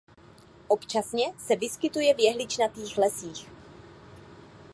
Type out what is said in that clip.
Občasně se vyskytuje v jehličnatých lesích.